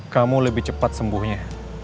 kamu lebih cepat sembuhnya